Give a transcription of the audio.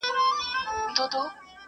حکمتونه د لقمان دي ستا مرحم مرحم کتو کي